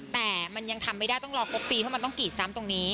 แต่มันยังทำไม่ได้ต้องรอครบปีเพราะมันต้องกรีดซ้ำตรงนี้